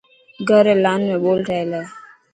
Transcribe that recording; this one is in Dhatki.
گهر ري لان ۾ ٻول ٺهيل هي.